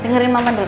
dengarin mama dulu